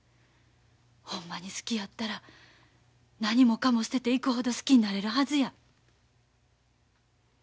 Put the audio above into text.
ほんまに好きやったら何もかも捨てていくほど好きになれるはずや。